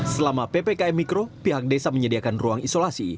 selama ppkm mikro pihak desa menyediakan ruang isolasi